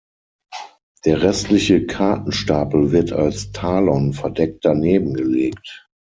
Der restliche Kartenstapel wird als "Talon" verdeckt daneben gelegt.